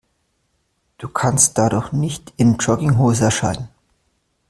Du kannst da doch nicht in Jogginghose erscheinen.